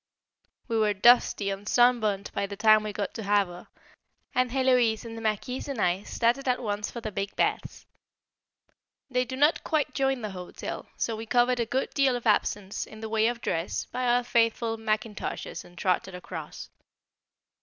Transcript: We were dusty and sun burnt by the time we got to Havre, and Héloise and the Marquise and I started at once for the big baths. They do not quite join the hotel, so we covered a good deal of absence, in the way of dress, by our faithful mackintoshes and trotted across.